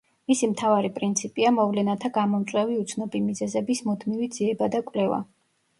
მისი მთავარი პრინციპია მოვლენათა გამომწვევი უცნობი მიზეზების მუდმივი ძიება და კვლევა.